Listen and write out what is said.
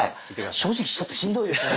正直ちょっとしんどいですね。